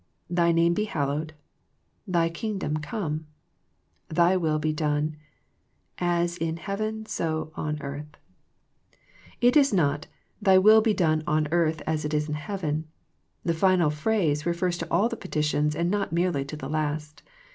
Thy name be hallowed, Thy Kingdom come, Thy will be done as in heaven so on earth. It is not " Thy will be done on earth as it is in f heaven." The final phrase refers to all the peti tions, and not merely to the last.